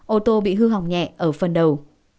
ô tô bị hư hỏng nhẹ ở phần đầu